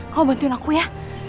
kamu bantuin aku ya